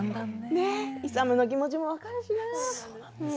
勇の気持ちも分かるしな。